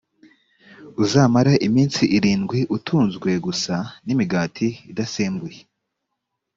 uzamare iminsi irindwi utunzwe gusa n’imigati idasembuye